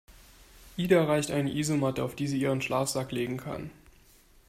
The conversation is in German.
Ida reicht eine Isomatte, auf die sie ihren Schlafsack legen kann.